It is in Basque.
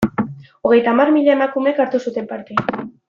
Hogeita hamar mila emakumek hartu zuten parte.